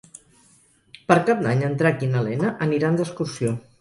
Per Cap d'Any en Drac i na Lena aniran d'excursió.